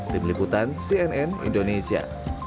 tim liputan cnn indonesia